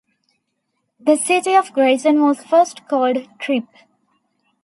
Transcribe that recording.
The city of Grayson was first called Trip.